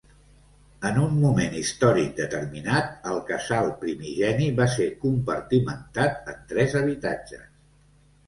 En un moment històric determinat, el casal primigeni va ser compartimentat en tres habitatges.